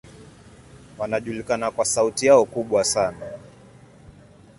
Wanajulikana kwa sauti yao kubwa sana.